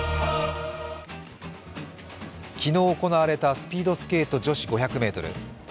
昨日行われたスピードスケート女子５００ｍ。